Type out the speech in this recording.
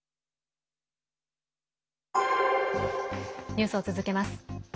ニュースを続けます。